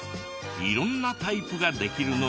色んなタイプができるのだとか。